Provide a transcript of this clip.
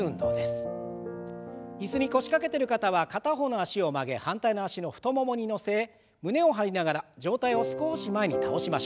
椅子に腰掛けてる方は片方の脚を曲げ反対の脚の太ももに乗せ胸を張りながら上体を少し前に倒しましょう。